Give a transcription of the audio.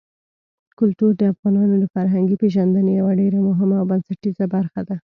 کلتور د افغانانو د فرهنګي پیژندنې یوه ډېره مهمه او بنسټیزه برخه ده.